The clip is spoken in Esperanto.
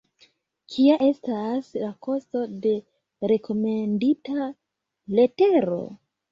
Kia estas la kosto de rekomendita letero?